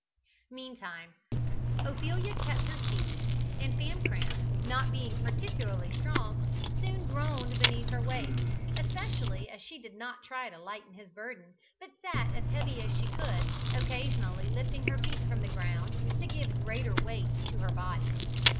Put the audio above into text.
Meantime Ophelia kept her seat, and Famcram, not being particularly strong, soon groaned beneath her weight, especially as she did not try to lighten his burden, but sat as heavy as she could, occasionally lifting her feet from the ground to give greater weight to her body.